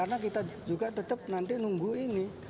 karena kita juga tetap nanti nunggu ini